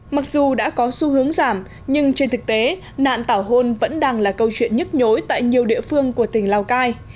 mặc dù đã có xu hướng giảm nhưng trên thực tế nạn tảo hôn vẫn đang là câu chuyện nhức nhối tại nhiều địa phương của tỉnh lào cai